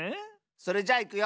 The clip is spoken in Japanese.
それじゃいくよ。